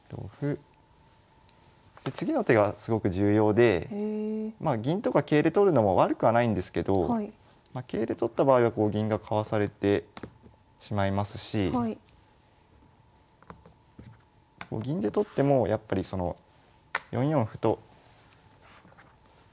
で次の手がすごく重要で銀とか桂で取るのも悪くはないんですけど桂で取った場合は銀がかわされてしまいますし銀で取ってもやっぱり４四歩と受けられて。